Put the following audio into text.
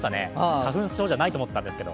花粉症じゃないと思ってたんです